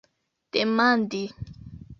demandi